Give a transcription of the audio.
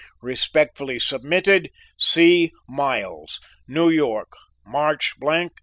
"Respectfully submitted, "C. Miles. "New York, March , 1883."